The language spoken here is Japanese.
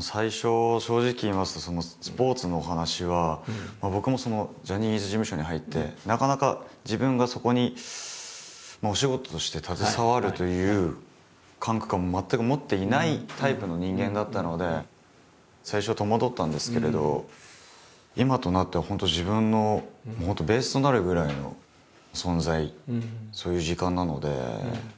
最初正直言いますとスポーツのお話は僕もジャニーズ事務所に入ってなかなか自分がそこにお仕事として携わるという感覚は全く持っていないタイプの人間だったので最初は戸惑ったんですけれど今となっては本当そういう時間なので。